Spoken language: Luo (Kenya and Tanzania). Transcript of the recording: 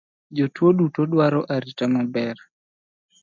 Jotuo duto dwaro arita maber